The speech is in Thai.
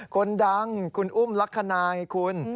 คนดังคุณอุ้มลักษณะไงคุณ